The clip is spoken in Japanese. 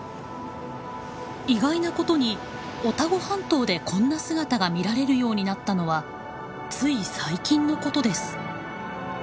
意外なことにオタゴ半島でこんな姿が見られるようになったのはつい最近のことです。